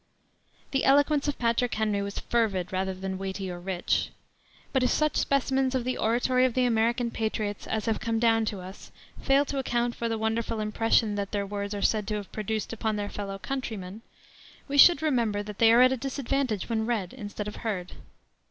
The eloquence of Patrick Henry was fervid rather than weighty or rich. But if such specimens of the oratory of the American patriots as have come down to us fail to account for the wonderful impression that their words are said to have produced upon their fellow countrymen, we should remember that they are at a disadvantage when read instead of heard.